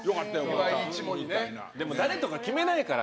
でも誰とか決めないから。